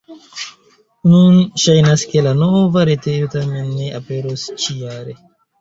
Nun ŝajnas, ke la nova retejo tamen ne aperos ĉi-jare.